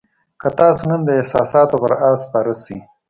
که تاسو نن د احساساتو پر آس سپاره شئ.